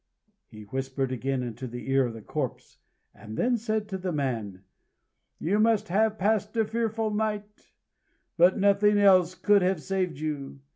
He whispered again into the ear of the corpse, and then said to the man: "You must have passed a fearful night; but nothing else could have saved you.